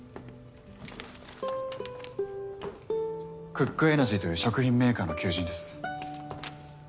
クックエナジーという食品メーカーの求人です。